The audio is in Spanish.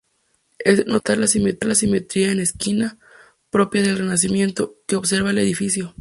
Es de notar la simetría en esquina, propia del Renacimiento, que observa el edificio.